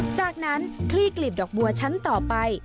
จากนั้นคลี่กลีบดอกบัวชั้นต่อไป